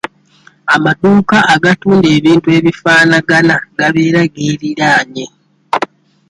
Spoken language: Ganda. Amaduuka agatunda ebintu ebifaanagana gabeera geeriraanye.